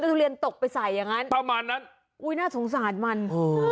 โรงเรียนตกไปใส่อย่างนั้นประมาณนั้นอุ้ยน่าสงสารมันอ๋อ